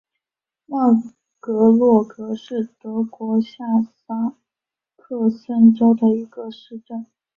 万格罗格是德国下萨克森州的一个市镇。